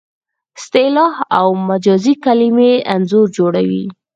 اصطلاح او مجازي کلمې انځور جوړوي